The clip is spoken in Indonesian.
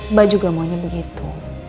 mbak juga maunya begitu